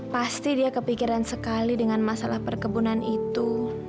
pasti dia kepikiran sekali dengan masalah perkebunan itu